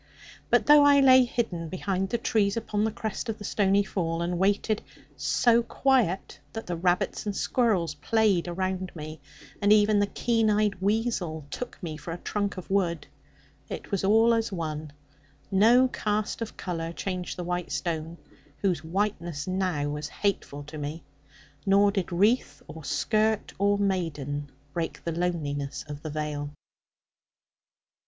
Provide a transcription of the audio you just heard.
But though I lay hidden behind the trees upon the crest of the stony fall, and waited so quiet that the rabbits and squirrels played around me, and even the keen eyed weasel took me for a trunk of wood it was all as one; no cast of colour changed the white stone, whose whiteness now was hateful to me; nor did wreath or skirt of maiden break the loneliness of the vale.